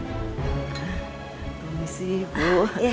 tunggu sih bu